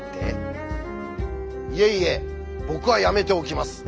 いえいえ僕はやめておきます。